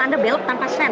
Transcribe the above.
anda belok tanpa sen